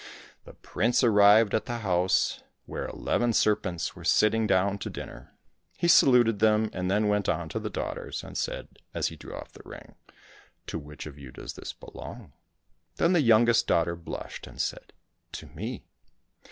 The prince arrived at the house, where eleven serpents were sitting down to dinner. He saluted them, and then went on to the daughters, and said, as he drew off the ring, " To which of you does this belong ?" Then the youngest daughter blushed and said, " To me!"